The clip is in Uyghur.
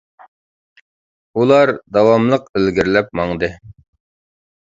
ئۇلار داۋاملىق ئىلگىرىلەپ ماڭدى.